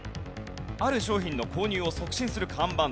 ある商品の購入を促進する看板です。